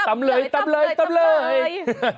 ตำเลยตำเลยตำเลยตำเลยตำเลยตำเลย